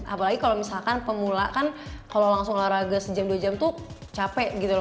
apalagi kalau misalkan pemula kan kalau langsung olahraga sejam dua jam tuh capek gitu loh